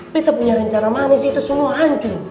kita punya rencana manis itu semua hancur